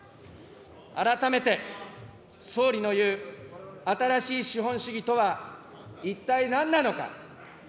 改めて総理の言う、新しい資本主義とは一体なんなのか。